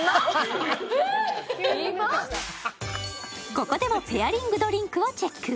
ここでもペアリングドリンクをチェック。